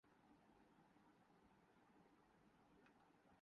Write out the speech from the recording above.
ہوا کہ اقوام متحدہ کو پہلی بار کشمیرمیں انسانی حقوق